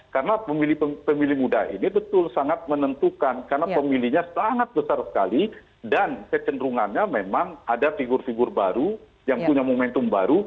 karena pemilih pemilih muda ini betul sangat menentukan karena pemilihnya sangat besar sekali dan kecenderungannya memang ada figur figur baru yang punya momentum baru